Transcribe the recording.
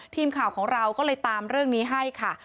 ทีมข่าวของเราก็เลยตามเรื่องนี้ให้ค่ะ